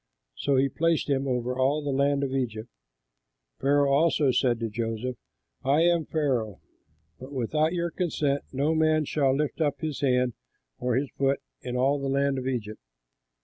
So he placed him over all the land of Egypt. Pharaoh also said to Joseph, "I am Pharaoh, but without your consent no man shall lift up his hand or his foot in all the land of Egypt."